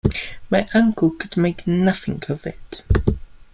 My uncle could make nothing of it.